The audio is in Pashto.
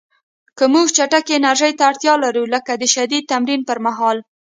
که موږ چټکې انرژۍ ته اړتیا لرو، لکه د شدید تمرین پر مهال